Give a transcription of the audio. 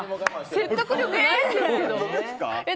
説得力ないんですけど。